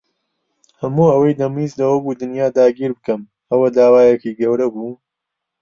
هەموو ئەوەی دەمویست ئەوە بوو دنیا داگیر بکەم. ئەوە داوایەکی گەورە بوو؟